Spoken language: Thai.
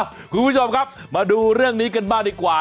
คุณผู้ชมครับมาดูเรื่องนี้กันบ้างดีกว่า